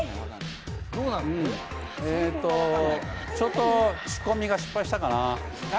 えーと、ちょっと仕込みが失敗したかな。